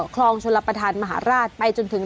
คลองชลประธานมหาราชไปจนถึง